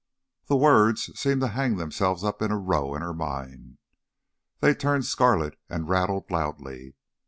The words seemed to hang themselves up in a row in her mind; they turned scarlet and rattled loudly.